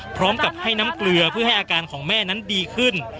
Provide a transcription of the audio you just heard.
พร้อมกับให้น้ำเกลือเพื่อให้อาการของแม่นั้นดีขึ้น